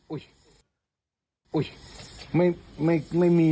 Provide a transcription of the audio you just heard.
อุ๊ยไม่มีเลยค่ะเรียกได้เลยพอสะดวกไม่มีล่ะ